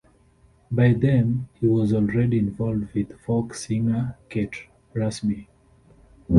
By then he was already involved with folk singer Kate Rusby.